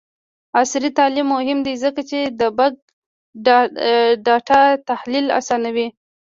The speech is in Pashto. عصري تعلیم مهم دی ځکه چې د بګ ډاټا تحلیل اسانوي.